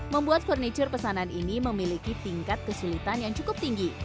membuat furniture pesanan ini memiliki tingkat kesulitan yang cukup tinggi